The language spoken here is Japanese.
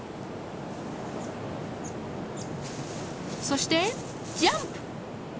そしてジャンプ！